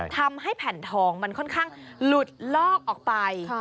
ทำให้แผ่นทองมันค่อนข้างหลุดลอกออกไป